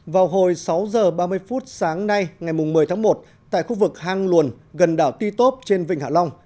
vào hồi sáu giờ ba mươi phút sáng nay ngày một mươi tháng một tại khu vực hang luồn gần đảo ti tốp trên vịnh hạ long